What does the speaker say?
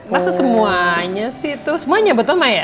masa semuanya sih itu semuanya buat mama ya